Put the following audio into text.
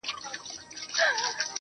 مـاتــه يــاديـــده اشـــــنـــا~